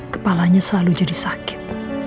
kepalanya selalu jadi sakit